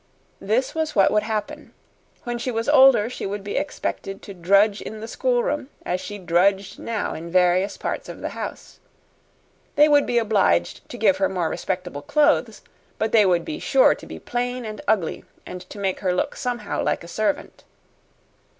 This was what would happen: when she was older she would be expected to drudge in the schoolroom as she drudged now in various parts of the house; they would be obliged to give her more respectable clothes, but they would be sure to be plain and ugly and to make her look somehow like a servant.